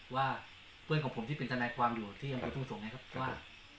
ว่าเพื่อนของผมที่เป็นทนายความอยู่ที่อำเภอทุ่งสงศ์นะครับว่า